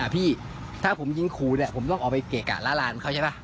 พี่ถ้าผมยิงขู่เนี่ยผมต้องออกไปเกะกะละลานเขาใช่ป่ะ